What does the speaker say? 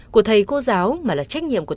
của thầy cô giáo mà là trách nhiệm của